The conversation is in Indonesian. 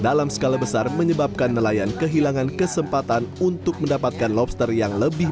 dalam skala besar menyebabkan nelayan kehilangan kesempatan untuk mendapatkan lobster yang lebih